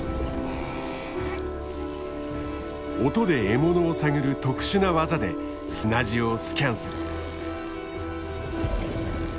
音で獲物を探る特殊な技で砂地をスキャンする。